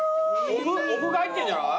おふが入ってんじゃない？